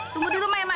tunggu di rumah ya mak